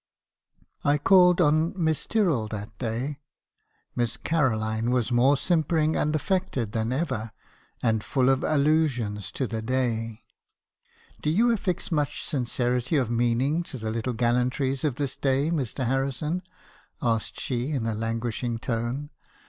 "I called on Miss Tyrrell that day. Miss Caroline was more simpering and affected than ever; and full of allusions to the day. "'Do you affix much sincerity of meaning to the little gal lantries of this day, Mr. Harrison?' asked she in a languishing tone.